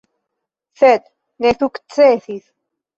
Sed ne sukcesis.